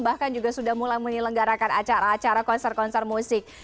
bahkan juga sudah mulai menyelenggarakan acara acara konser konser musik